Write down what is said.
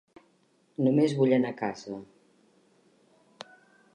Només vull anar a casa.